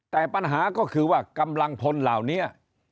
แต่ปัญหาก็คือว่ากำลังพลเหล่านี้